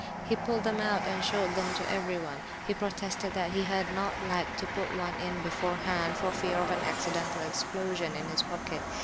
He pulled them out and showed them to everyone; he protested that he had not liked to put one in beforehand for fear of an accidental explosion in his pocket.